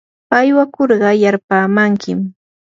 aywakurqa yarpaamankim.